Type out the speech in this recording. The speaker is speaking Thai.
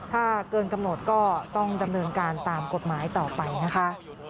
ถ้าเกินกำหนดก็ต้องดำเนินการตามกฎหมายต่อไปนะคะ